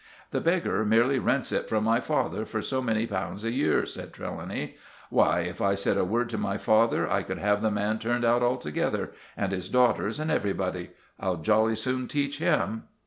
"The beggar merely rents it from my father for so many pounds a year," said Trelawny. "Why, if I said a word to my father, I could have the man turned out altogether, and his daughters and everybody. I'll jolly soon teach him!"